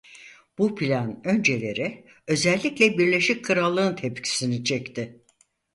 Bu plan önceleri özellikle Birleşik Krallık'ın tepkisini çekti.